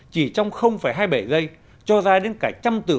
chỉ trong hai mươi bảy giây cho ra đến cả trăm từ